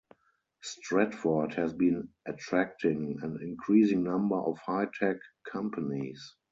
Stratford has been attracting an increasing number of high-tech companies.